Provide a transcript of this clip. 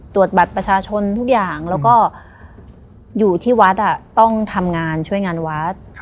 ตรวจบัตรประชาชนทุกอย่างแล้วก็อยู่ที่วัดต้องทำงานช่วยงานวัด